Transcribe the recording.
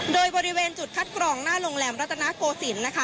โดยบริเวณจุดคัดกรองหน้าโรงแรมรัตนโกศิลป์นะคะ